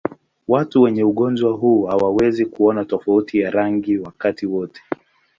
Watu wenye ugonjwa huu hawawezi kuona tofauti ya rangi wakati wote.